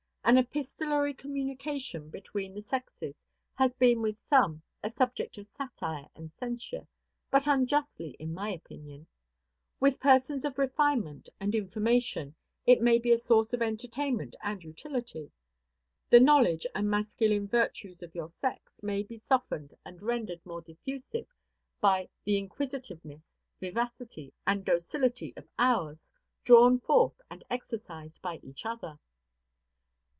An epistolary communication between the sexes has been with some a subject of satire and censure; but unjustly, in my opinion. With persons of refinement and information, it may be a source of entertainment and utility. The knowledge and masculine virtues of your sex may be softened and rendered more diffusive by the inquisitiveness, vivacity, and docility of ours, drawn forth and exercised by each other.